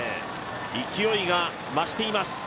勢いが増しています。